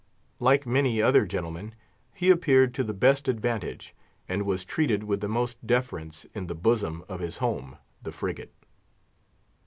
Like many other gentlemen, he appeared to the best advantage, and was treated with the most deference in the bosom of his home, the frigate.